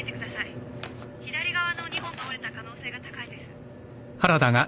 左側の２本が折れた可能性が高いです。